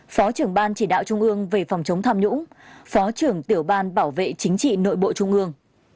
phó trưởng ban chỉ đạo trung ương về phòng chống tham nhũng phó trưởng tiểu ban bảo vệ chính trị nội bộ trung ương